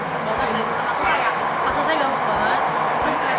sekarang pakai mobil mau pakai berpulang